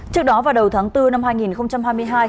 trước đó vào đầu tháng bốn năm hai nghìn hai mươi hai